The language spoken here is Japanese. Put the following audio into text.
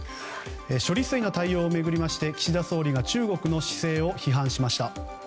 処理水の対応を巡りまして岸田総理が中国の姿勢を批判しました。